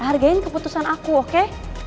hargain keputusan aku oke